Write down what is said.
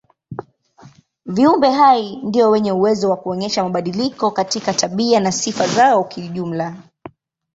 Viumbe hai ndio wenye uwezo wa kuonyesha mabadiliko katika tabia na sifa zao kijumla.